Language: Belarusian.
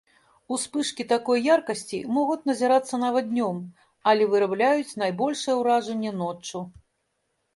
Успышкі такой яркасці могуць назірацца нават днём, але вырабляюць найбольшае уражанне ноччу.